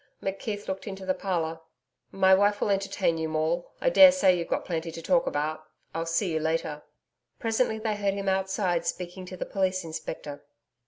McKeith looked into the parlour. 'My wife will entertain you, Maule. I daresay you've got plenty to talk about. I'll see you later.' Presently they heard him outside speaking to the Police Inspector.